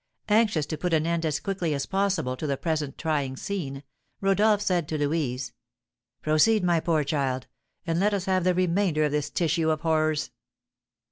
Anxious to put an end as quickly as possible to the present trying scene, Rodolph said to Louise: "Proceed, my poor child, and let us have the remainder of this tissue of horrors."